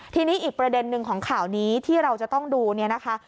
ทีนี้อีกประเด็นหนึ่งของข่าวนี้ที่เราจะต้องดูเนี่ยนะคะ